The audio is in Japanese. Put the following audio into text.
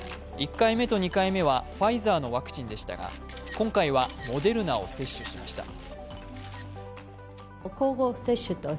１回目と２回目はファイザーのワクチンでしたが、今回はモデルナを接種しました。